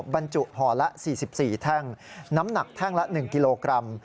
บรรจุห่อละ๔๔แท่งน้ำหนักแท่งละ๑กิโลกรัม